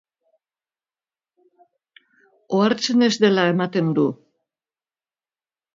Ohartzen ez dela ematen du.